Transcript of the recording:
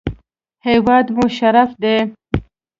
هېواد مو شرف دی